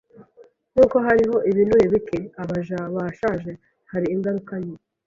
Nkuko hariho ibinure bike "abaja bashaje," hari ingaragu nke.